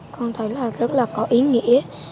con thấy là rất là có ý nghĩa